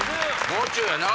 「もう中」やな。